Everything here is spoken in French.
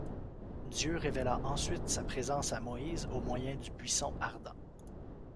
Dieu révéla ensuite sa présence à Moïse au moyen du buisson ardent.